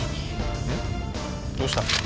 どうした？